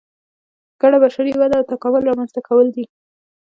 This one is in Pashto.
ګډه بشري وده او تکامل رامنځته کول دي.